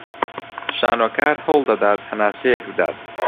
شانۆکار هەوڵ دەدات هەناسەیەک بدات